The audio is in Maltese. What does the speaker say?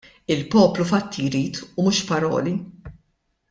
Il-poplu fatti jrid u mhux paroli.